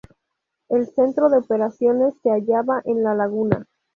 El centro de operaciones se hallaba en La Laguna.